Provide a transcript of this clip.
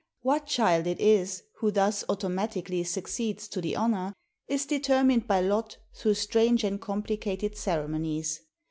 What child it is, who thus automatically succeeds to the honor, is determined by lot through strange and com plicated ceremonies.